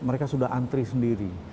mereka sudah antri sendiri